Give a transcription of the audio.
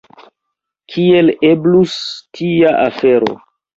Kiel eblus tia afero?